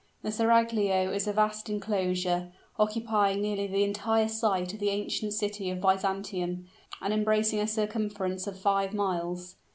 The seraglio is a vast inclosure, occupying nearly the entire site of the ancient city of Byzantium, and embracing a circumference of five miles.